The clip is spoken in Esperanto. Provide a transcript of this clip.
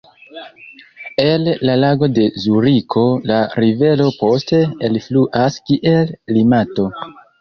El la Lago de Zuriko la rivero poste elfluas kiel Limato.